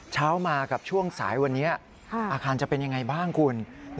เช้ามากับช่วงสายวันนี้อาคารจะเป็นยังไงบ้างคุณ